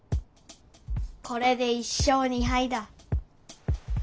これで１勝２敗だ。